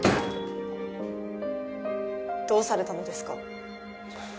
どうされたのですか？